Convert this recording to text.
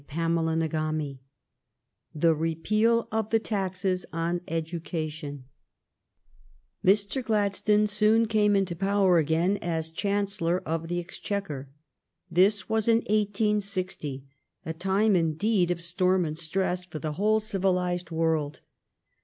CHAPTER XVIII THE REPEAL OF THE TAXES ON EDUCATION Mr. Gladstone soon came into power again as Chancellor of the Exchequer. This was in i860, a time indeed of storm and stress for the whole civilized world.